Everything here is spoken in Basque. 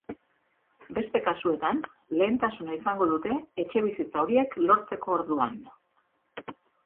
Beste kasuetan, lehentasuna izango dute etxebizitza horiek lortzeko orduan.